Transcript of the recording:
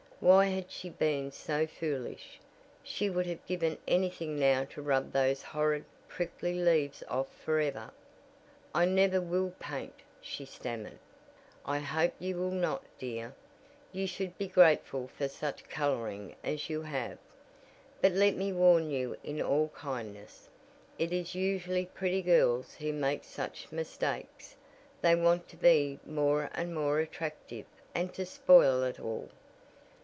Why had she been so foolish? She would have given anything now to rub those horrid, prickly leaves off forever. "I never will paint " she stammered. "I hope you will not, dear, you should be grateful for such coloring as you have. But let me warn you in all kindness. It is usually pretty girls who make such mistakes they want to be more and more attractive and so spoil it all.